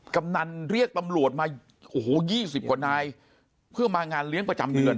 กำนันเรียกตำรวจมาโอ้โห๒๐กว่านายเพื่อมางานเลี้ยงประจำเดือน